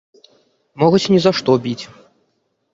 Могуць ні за што біць.